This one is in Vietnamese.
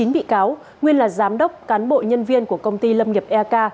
chín bị cáo nguyên là giám đốc cán bộ nhân viên của công ty lâm nghiệp eak